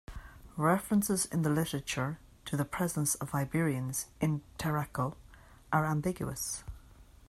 References in the literature to the presence of Iberians in Tarraco are ambiguous.